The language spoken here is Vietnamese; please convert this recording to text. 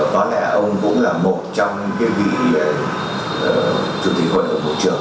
có lẽ ông cũng là một trong những vị chủ tịch hội đồng bộ trưởng